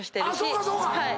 そうかそうか！